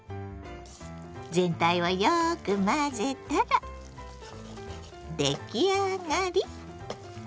全体をよく混ぜたら出来上がり！